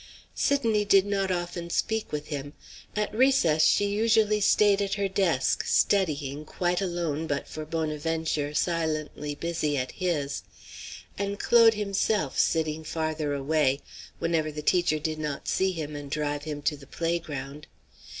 Sidonie did not often speak with him. At recess she usually staid at her desk, studying, quite alone but for Bonaventure silently busy at his, and Claude himself, sitting farther away, whenever the teacher did not see him and drive him to the playground.